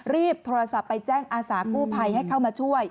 รีบโทรศัพท์ไปแจ้งอาสากู้ภัยให้เข้ามาช่วย